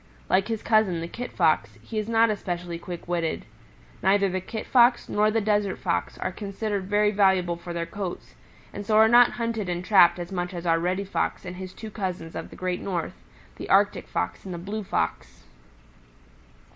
Like his cousin, the Kit Fox, he is not especially quick witted. Neither the Kit Fox nor the Desert Fox are considered very valuable for their coats, and so are not hunted and trapped as much as are Reddy Fox and his two cousins of the Great North, the Arctic Fox and the Blue Fox.